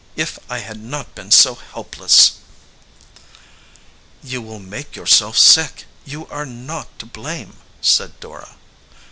If I had not been so helpless !" "You will make yourself sick. You are not to blame," said Dora.